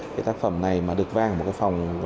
cái tác phẩm này mà được vang ở một cái phòng